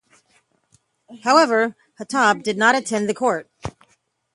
However, Hattab did not attend the court.